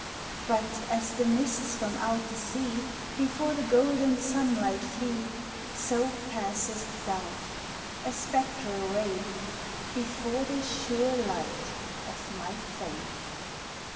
But as the mists from out the sea Before the golden sunlight flee, So passeth DOUBT a spectral WTaith Before the sure light of my FAITH.